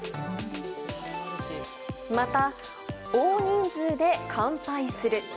また、大人数で乾杯する。